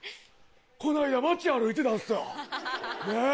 この間街歩いてたんすよねっ。